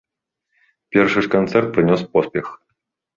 Першы ж канцэрт прынёс поспех.